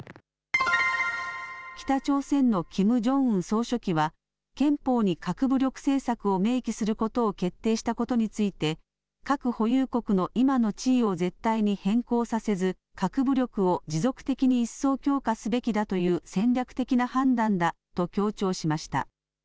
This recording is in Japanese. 北朝鮮のキム・ジョンウン総書記は憲法に核武力政策を明記することを決定したことについて核保有国の今の地位を絶対に変更させず核武力を持続的に一層強化すべきだという戦略的な判断だと強調しました。